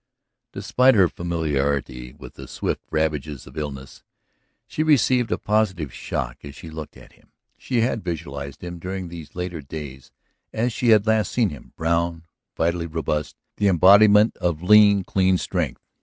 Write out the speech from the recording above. Despite her familiarity with the swift ravages of illness she received a positive shock as she looked at him; she had visualized him during these latter days as she had last seen him, brown, vitally robust, the embodiment of lean, clean strength.